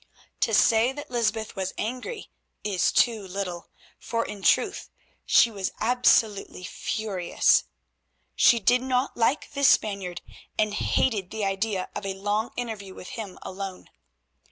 To say that Lysbeth was angry is too little, for in truth she was absolutely furious. She did not like this Spaniard, and hated the idea of a long interview with him alone.